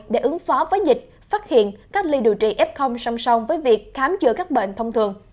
để ứng phó với dịch phát hiện cách ly điều trị f song song với việc khám chữa các bệnh thông thường